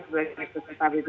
sebagai peserta bgjs